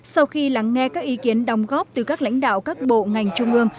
sau khi lắng nghe các ý kiến đồng góp từ các lãnh đạo các bộ ngành trung ương